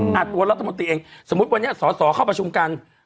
ตัวรัฐมนตรีเองสมมุติวันนี้สอสอเข้าประชุมกัน